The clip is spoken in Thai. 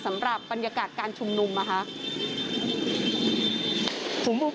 สำหรับบรรยากาศการชุมนุมนะคะ